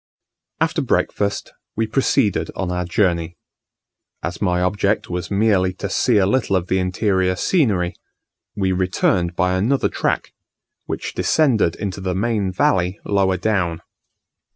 After breakfast we proceeded on our Journey. As my object was merely to see a little of the interior scenery, we returned by another track, which descended into the main valley lower down.